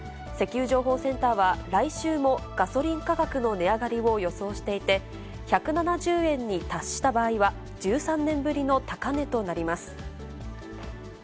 石油情報センターは来週もガソリン価格の値上がりを予想していて、１７０円に達した場合は１３年ぶりの高値となります。